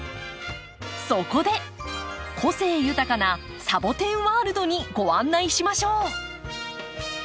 そこで個性豊かなサボテンワールドにご案内しましょう。